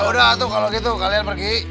yaudah tuh kalau gitu kalian pergi